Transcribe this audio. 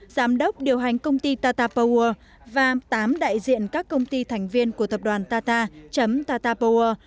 giám đốc điều hành công ty tata poworld và tám đại diện các công ty thành viên của tập đoàn tata power